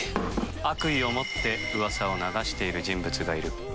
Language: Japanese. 悪意を持ってうわさを流してる人物がいる。